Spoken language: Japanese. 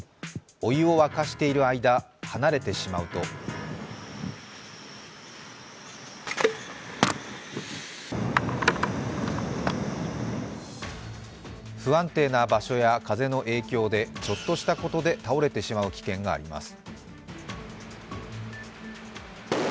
お湯を沸かしている間、離れてしまうと不安定な場所や風の影響でちょっとしたことで倒れてしまう危険があります。